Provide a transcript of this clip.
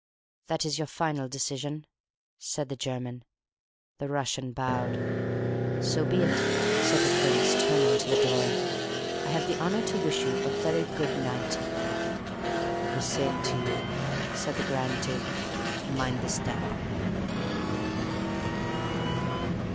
"That is your final decision?" said the German. The Russian bowed. "So be it," said the Prince, turning to the door. "I have the honour to wish you a very good night." "The same to you," said the Grand Duke. "Mind the step."